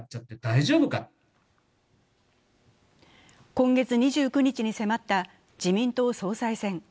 今月２９日に迫った自民党総裁選。